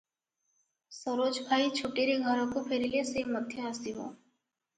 ସରୋଜ ଭାଇ ଛୁଟିରେ ଘରକୁ ଫେରିଲେ ସେ ମଧ୍ୟ ଆସିବ ।"